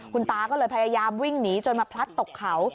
คุณตาก็เลยพยายามวิ่งหนีจนมาพลัดตกเขา